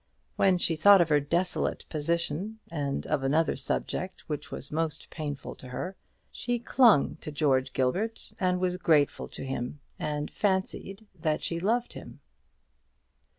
When she thought of her desolate position, and of another subject which was most painful to her, she clung to George Gilbert, and was grateful to him, and fancied that she loved him.